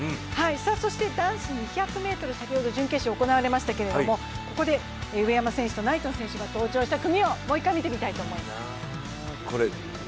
そして、男子２００ｍ先ほど準決勝が行われましたけどここで上山選手とナイトン選手が登場した組をもう一回見ていきたいと思います。